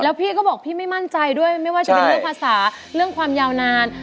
พี่ก็บอกพี่ไม่มั่นใจด้วยไม่ว่าจะเป็นเรื่องภาษาเรื่องความยาวนาน